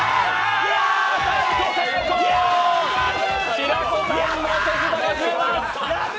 平子さんの手札が増えます。